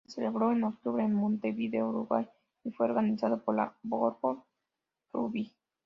Se celebró en octubre en Montevideo, Uruguay y fue organizado por la World Rugby.